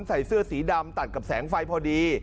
ใส่เสื้อสีดำตัดกับแสงไฟพอดี